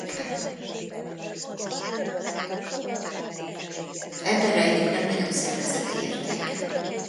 Ebben rejlik legnagyobb szervezeti értéke.